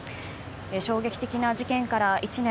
衝撃的な事件から１年。